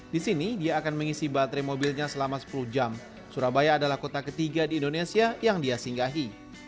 di sini dia akan mengisi baterai mobilnya selama sepuluh jam surabaya adalah kota ketiga di indonesia yang dia singgahi